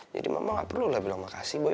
jadi mama nggak perlu lah bilang makasih boy